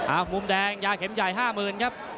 อ้าวมุมแดงยาเข็มใหญ่๕หมื่นครับ